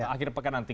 akhir pekan nanti